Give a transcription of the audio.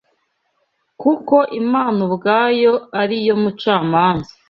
Kuko Imana ubwayo ari yo mucamanza